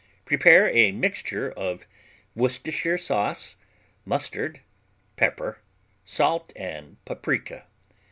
Prepare a mixture of Worcestershire sauce, mustard, pepper, salt and paprika.